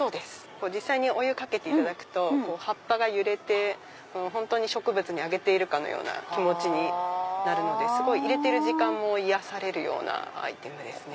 実際にお湯かけていただくと葉っぱが揺れて本当に植物にあげてるかのような気持ちになるので入れてる時間も癒やされるようなアイテムですね。